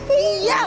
lo lebih yap